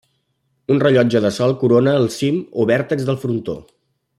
Un rellotge de sol corona el cim o vèrtex del frontó.